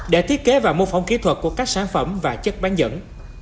để thiết kế và mô phỏng kỹ thuật của các sản phẩm và chất bán dẫn